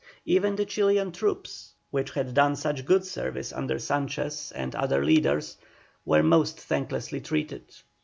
Even the Chilian troops, which had done such good service under Sanchez and other leaders, were most thanklessly treated.